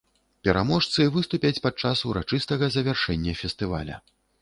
Пераможцы выступяць падчас урачыстага завяршэння фестываля.